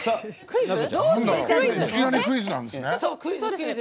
クイズ！？